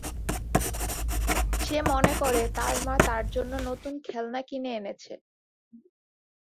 সে মনে করে তার মা তার জন্য নতুন খেলনা কিনে এনেছে।